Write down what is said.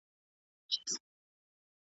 بوډۍ شېبې درته دروړم جانانه هېر مي نه کې .